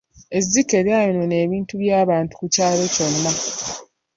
Ezzike lyayonoona ebintu by'abantu ku kyalo kyonna.